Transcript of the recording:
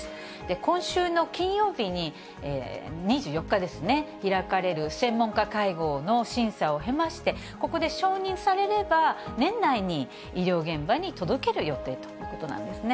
今週の金曜日に、２４日ですね、開かれる専門家会合の審査を経まして、ここで承認されれば、年内に医療現場に届ける予定ということなんですね。